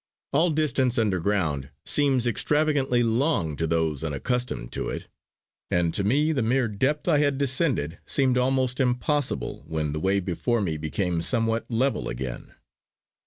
All distance underground seems extravagantly long to those unaccustomed to it; and to me the mere depth I had descended seemed almost impossible when the way before me became somewhat level again.